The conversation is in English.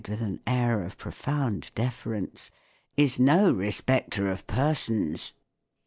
383 air of profound deference, " is no respecter of persons."